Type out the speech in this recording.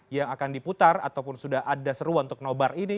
yang akan diputar ataupun sudah ada seruan untuk nobar ini